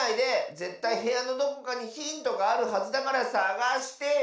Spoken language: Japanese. ぜったいへやのどこかにヒントがあるはずだからさがしてよ！